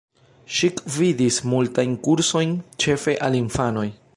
Ŝi gvidis multajn kursojn, ĉefe al infanoj.